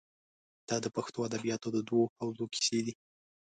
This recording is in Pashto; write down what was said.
دا د پښتو ادبیاتو د دوو حوزو کیسې دي.